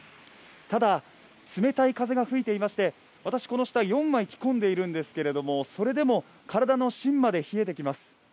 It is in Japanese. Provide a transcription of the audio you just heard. ただ、冷たい風が吹いていまして、私この下４枚着込んでいるんですけれどもそれでも体の芯まで冷えてきます。